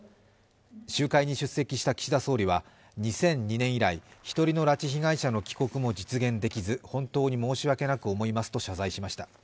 集会に出席した岸田総理は２００２年以来、１人の拉致被害者の帰国も実現できず本当に申し訳なく思いますと謝罪しました。